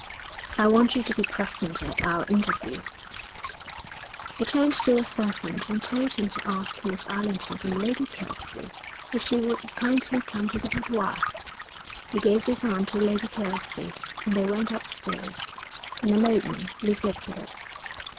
'I want you to be present at our interview.' He turned to a servant and told him to ask Miss Allerton from Lady Kelsey if she would kindly come to the boudoir. He gave his arm to Lady Kelsey, and they went upstairs. In a moment Lucy appeared.